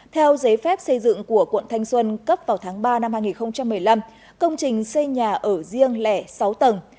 theo giấy phép xây dựng của quận thanh xuân cấp vào tháng ba năm hai nghìn một mươi năm công trình xây nhà ở riêng lẻ sáu tầng